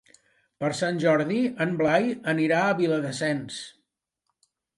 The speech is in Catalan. Per Sant Jordi en Blai anirà a Viladasens.